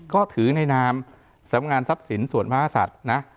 ก็ถือในนามสำงาญทรัพย์ศิลป์สวทธิ์พระศัตริย์นะ